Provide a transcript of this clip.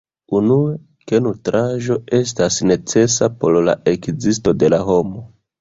Unue, ke nutraĵo estas necesa por la ekzisto de la homo.